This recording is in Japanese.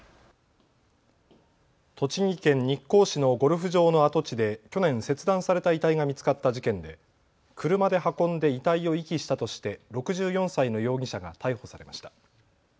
栃木県日光市のゴルフ場の跡地で去年、切断された遺体が見つかった事件で車で運んで遺体を遺棄したとして６４歳の容疑者が逮捕されました。